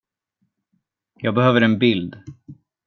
Jag behöver en bild.